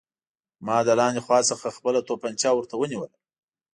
ما له لاندې خوا څخه خپله توپانچه ورته ونیوله